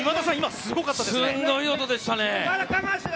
すごい音でしたね。